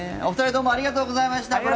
お二人どうもありがとうございました。